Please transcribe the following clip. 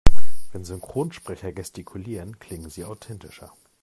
Wenn Synchronsprecher gestikulieren, klingen sie authentischer.